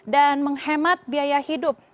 dan menghemat biaya hidup